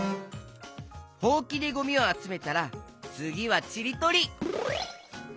ほうきでゴミをあつめたらつぎはちりとり！